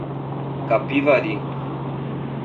Capivari